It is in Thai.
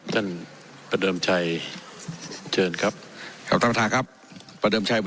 ประเดิมชัยเชิญครับครับท่านประธานครับประเดิมชัย